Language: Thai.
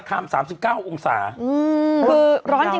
คือแต่วันนี้คนบอกว่าร้อนมาก